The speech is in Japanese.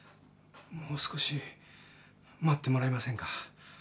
もう少し待ってもらえませんか？